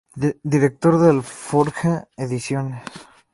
Director de "Alforja" Ediciones.